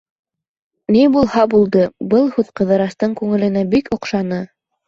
Ни булһа булды, был һүҙ Ҡыҙырастың күңеленә бик оҡшаны.